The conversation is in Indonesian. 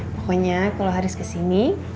pokoknya kalo haris kesini